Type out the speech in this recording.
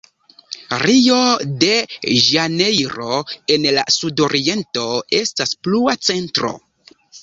Rio-de-Ĵanejro en la sudoriento estas plua centro.